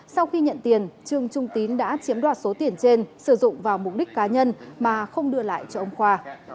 sau khi nhận tiền trương trung tín đã chiếm đoạt số tiền trên sử dụng vào mục đích cá nhân mà không đưa lại cho ông khoa